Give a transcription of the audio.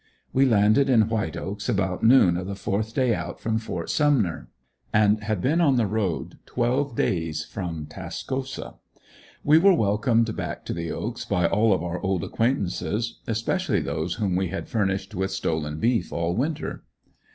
We landed in White Oaks about noon of the fourth day out from Ft. Sumner; and had been on the road twelve days from Tascosa. We were welcomed back to the "Oaks" by all of our old acquaintances, especially those whom we had furnished with stolen beef all winter.